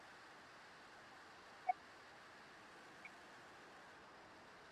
Nina Ongea kiingereza kingi kushinda wengine